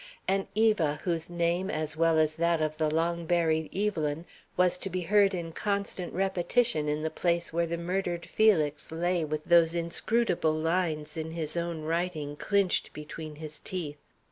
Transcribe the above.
An Eva whose name, as well as that of the long buried Evelyn, was to be heard in constant repetition in the place where the murdered Felix lay with those inscrutable lines in his own writing, clinched between his teeth!